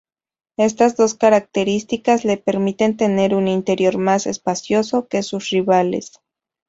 Estas dos características le permiten tener un interior más espacioso que sus rivales.